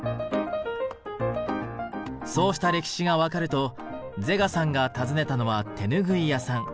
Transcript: そうした歴史が分かるとゼガさんが訪ねたのは手拭い屋さん。